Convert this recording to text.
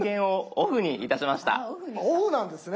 あっオフなんですね。